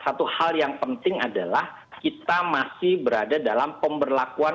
satu hal yang penting adalah kita masih berada dalam pemberlakuan